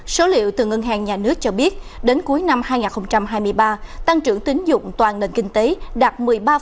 số liệu từ ngân hàng nhà nước cho biết đến cuối năm hai nghìn hai mươi ba tăng trưởng tín dụng toàn nền kinh tế đạt một mươi ba